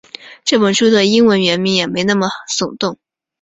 这本书的英文原名也没那么耸动